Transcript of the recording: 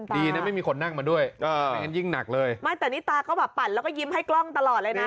ดีนะไม่มีคนนั่งมาด้วยไม่งั้นยิ่งหนักเลยไม่แต่นี่ตาก็แบบปั่นแล้วก็ยิ้มให้กล้องตลอดเลยนะ